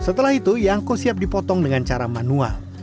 setelah itu yangko siap dipotong dengan cara manual